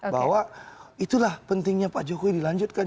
bahwa itulah pentingnya pak jokowi dilanjutkan